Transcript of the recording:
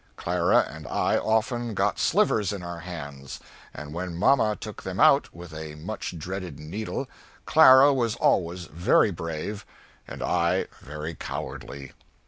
Clara and I often got slivers in our hands and when mama took them out with a much dreaded needle, Clara was always very brave, and I very cowardly.